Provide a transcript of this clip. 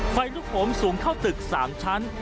ไฟลุกโหมสูงเข้าตึก๓ชั้น